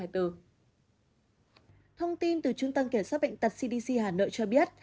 thông tin từ trung tâm kiểm soát bệnh tật cdc hà nội cho biết